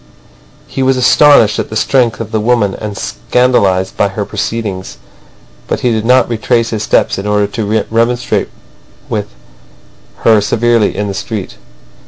He was astonished at the strength of the woman and scandalised by her proceedings. But he did not retrace his steps in order to remonstrate with her severely in the street.